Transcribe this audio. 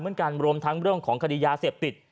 รวมทั้งเรื่องของคดียาเสพติด